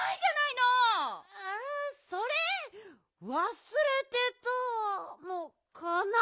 あそれわすれてたのかな？